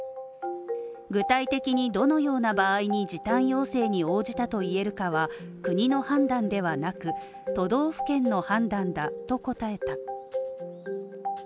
具体的にどのような場合に時短要請に応じたと言えるかは国の判断ではなく、都道府県の判断だと答えた。